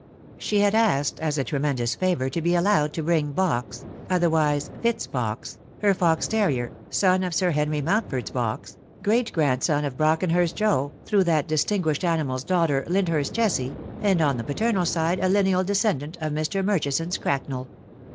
She had asked as a tremendous favour to be allowed to bring Box otherwise Fitz Box her fox terrier, son of Sir Henry Mountford's Box, great grandson of Brockenhurst Joe, through that distinguished animal's daughter Lyndhurst Jessie, and on the paternal side a lineal descendant of Mr. Murchison's Cracknel.